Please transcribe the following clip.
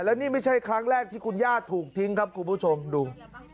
และนี่ไม่ใช่ครั้งแรกที่คุณย่าถูกทิ้งครับคุณผู้ชมดู